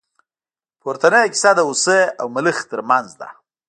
پورتنۍ کیسه د هوسۍ او ملخ تر منځ ده.